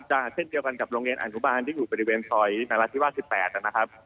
เช่นเดียวกันกับโรงเรียนอนุบาลที่อยู่บริเวณซอยนราธิวาส๑๘นะครับ